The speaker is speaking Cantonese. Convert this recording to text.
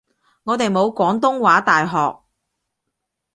我哋冇廣東話大學